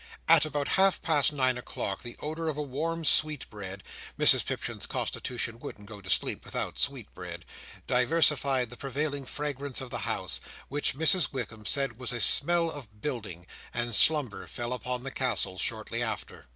At about half past nine o'clock the odour of a warm sweet bread (Mrs Pipchin's constitution wouldn't go to sleep without sweet bread) diversified the prevailing fragrance of the house, which Mrs Wickam said was "a smell of building;" and slumber fell upon the Castle shortly after.